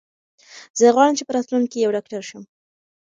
زه غواړم چې په راتلونکي کې یو ډاکټر شم.